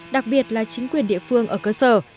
hoặc là chính quyền địa phương ở cơ sở